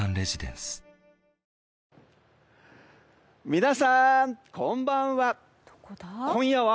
皆さん、こんばんは。